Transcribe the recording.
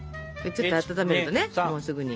ちょっと温めるとねもうすぐに。